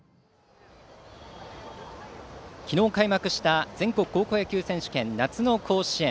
昨日開幕した全国高校野球選手権夏の甲子園。